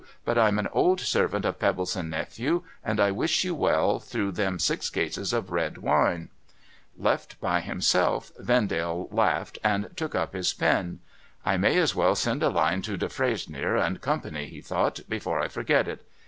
But I'm an old servant of Febbleson Nephew, and I wish you well through them six cases of red wine.' Left by himself, Vendale laughed, and took up his pen. ' I may as well send a line to Defresnier and Company,' he thought, ' before I forget it.'